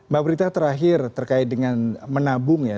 mbak berita terakhir terkait dengan menabung ya